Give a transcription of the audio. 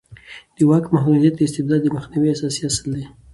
د واک محدودیت د استبداد د مخنیوي اساسي اصل دی